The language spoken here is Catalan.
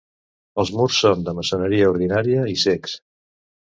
Els murs són de maçoneria ordinària i cecs.